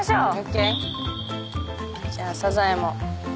じゃあサザエも。